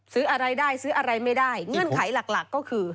ซื้ออะไรได้ซื้ออะไรไม่ได้เงื่อนไขหลักก็คือ